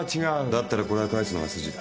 だったらこれは返すのが筋だ。